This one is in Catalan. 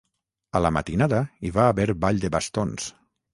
A la matinada, hi va haver ball de bastons.